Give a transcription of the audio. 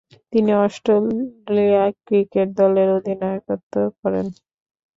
তিনি Australia cricket দলের অধিনায়কত্ব করেন।